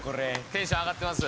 テンション上がってます